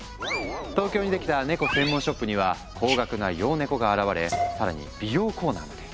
東京にできたネコ専門ショップには高額な洋ネコが現れ更に美容コーナーまで！